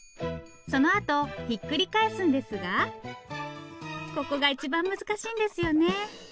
そのあとひっくり返すんですがここが一番難しいんですよね。